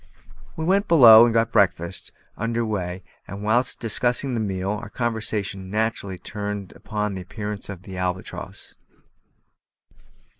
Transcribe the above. We went below and got breakfast under weigh; and whilst discussing the meal, our conversation naturally turned upon the appearance of the Albatross.